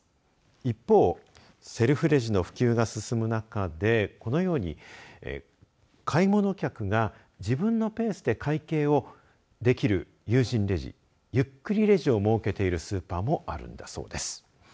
一方、セルフレジの普及が進む中でこのように買い物客が自分のペースで会計をできる有人レジ、ゆっくりレジを設けているスーパーもあるんだそうです。